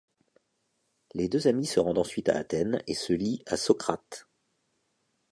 Les deux amis se rendent ensuite à Athènes et se lient à Socrate.